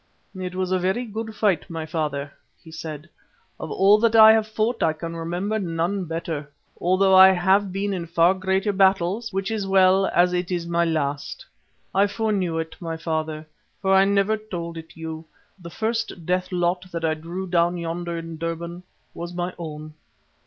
"It was a very good fight, my father," he said. "Of all that I have fought I can remember none better, although I have been in far greater battles, which is well as it is my last. I foreknew it, my father, for though I never told it you, the first death lot that I drew down yonder in Durban was my own.